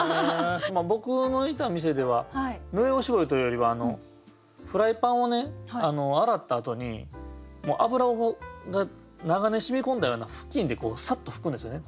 僕のいた店では濡れおしぼりというよりはフライパンを洗ったあとに油が長年染み込んだような布巾でサッと拭くんですよね。